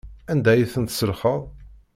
Anda ay tent-tselxeḍ?